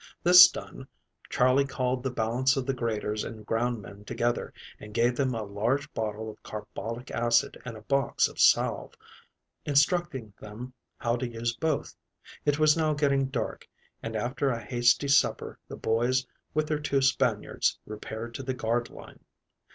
This done, Charley called the balance of the graders and ground men together and gave them a large bottle of carbolic acid and a box of salve, instructing them how to use both. It was now getting dark, and after a hasty supper the boys with their two Spaniards repaired to the guard line.